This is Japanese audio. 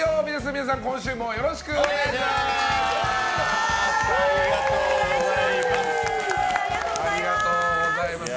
皆さん、今週もよろしくお願いします！